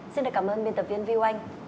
xin cảm ơn biên tập viên viu anh